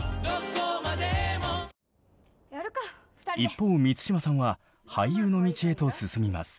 一方満島さんは俳優の道へと進みます。